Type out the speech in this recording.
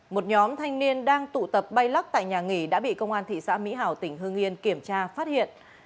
một nhóm thanh niên đang tụ tập bay lắc tại nhà nghỉ đã bị công an thị xã mỹ hảo tỉnh hương yên kiểm tra phát hiện